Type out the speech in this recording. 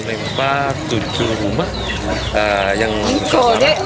empat tujuh rumah yang bersama